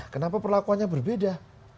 kenapa perlakuannya berbeda